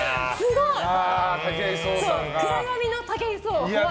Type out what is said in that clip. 暗闇の武井壮。